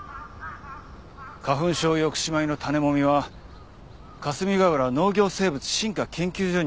花粉症抑止米の種もみは霞ヶ浦農業生物進化研究所に保管されていました。